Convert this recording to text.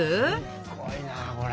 すごいなこれ。